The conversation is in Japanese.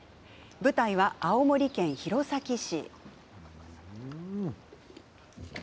舞台は青森県弘前市。